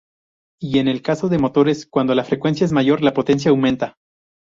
Y en el caso de motores cuando la frecuencia es mayor la potencia aumenta.